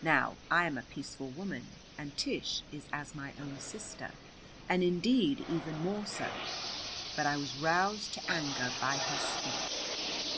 Now, I am a peaceful woman, and Tish is as my own sister, and indeed even more so. But I was roused to anger by her speech.